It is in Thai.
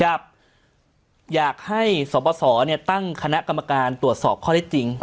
ครับอยากให้ศพศเนี่ยตั้งคณะกรรมการตรวจสอบข้อได้จริง